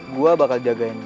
gue bakal jagain lo